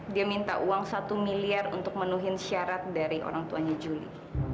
dia minta uang satu miliar untuk menuhi syarat dari orang tuanya juli